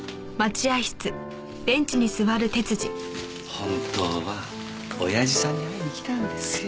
本当は親父さんに会いに来たんですよ。